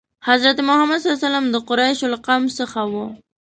حضرت محمد ﷺ د قریشو له قوم څخه و.